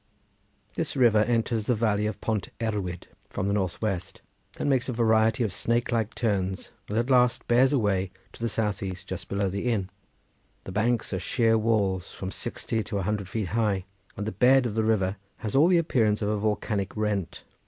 This river enters the valley of Pont Erwyd from the north west, then makes a variety of snake like turns, and at last bears away to the south east just below the inn. The banks are sheer walls from sixty to a hundred feet high, and the bed of the river has all the appearance of a volcanic rent.